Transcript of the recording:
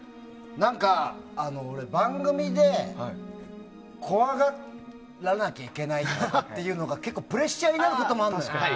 何か、番組で怖がらなきゃいけないっていうのが結構プレッシャーになることもあるんですよ。